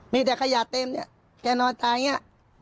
มีแต่ขยะเต็มเนี่ยแกนอนตายอย่างนี้